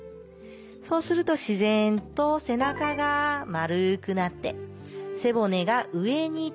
そうすると自然と背中が丸くなって背骨が上に凸。